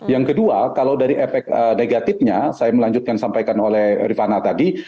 yang kedua kalau dari efek negatifnya saya melanjutkan sampaikan oleh rifana tadi